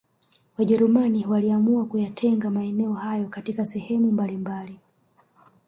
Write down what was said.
Wajerumani waliamua kuyatenga maeneo yao katika sehemu mbalimabali